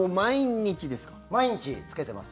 毎日つけてます。